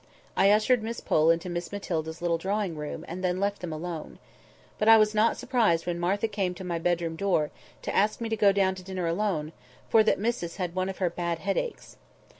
I ushered Miss Pole into Miss Matilda's little drawing room, and then left them alone. But I was not surprised when Martha came to my bedroom door, to ask me to go down to dinner alone, for that missus had one of her bad headaches.